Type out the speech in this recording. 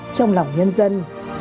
trong lòng nhân dân